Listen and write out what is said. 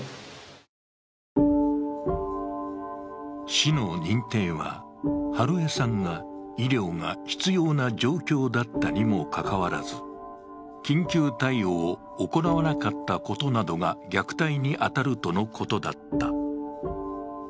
市の認定は美枝さんが医療が必要な状況だったにもかかわらず、緊急対応を行わなかったことなどが虐待に当たるとのことだった。